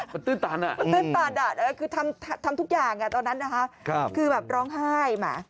มันตื่นตาดน่ะคือทำทุกอย่างตอนนั้นนะคะคือแบบร้องไห้